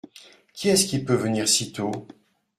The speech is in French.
Qui est-ce qui peut venir si tôt ?…